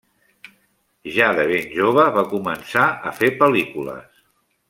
Ja de ben jove va començar a fer pel·lícules.